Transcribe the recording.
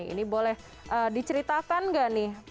ini boleh diceritakan nggak nih